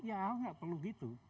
ya ahok nggak perlu gitu